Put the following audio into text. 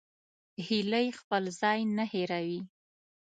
هیلۍ خپل ځای نه هېروي